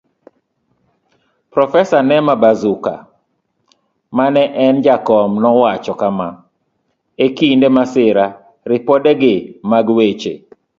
Profesa Nema Bazuka maneen jakom nowacho kama:E kinde masira, Ripode Gi mag weche.